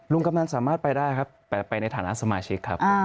กำนันสามารถไปได้ครับแต่ไปในฐานะสมาชิกครับ